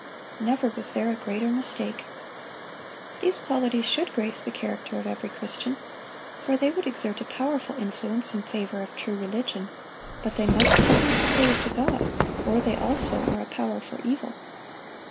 Never was there a greater mistake. These qualities should grace the character of every Christian, for they would exert a powerful influence in favor of true religion; but they must be consecrated to God, or they also are a power for evil.